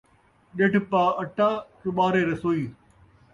ݙڈھ پاء اٹا ، چُٻارے رسوئی